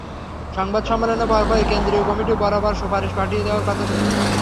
সংবাদ সম্মেলনের পরপরই কেন্দ্রীয় কমিটি বরাবর সুপারিশ পাঠিয়ে দেওয়ার কথা ছিল।